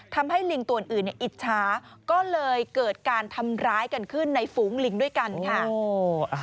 ลิงตัวอื่นอิจฉาก็เลยเกิดการทำร้ายกันขึ้นในฝูงลิงด้วยกันค่ะ